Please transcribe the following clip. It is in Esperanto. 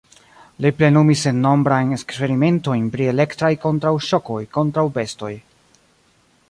Li plenumis sennombrajn eksperimentojn pri elektraj kontraŭŝokoj kontraŭ bestoj.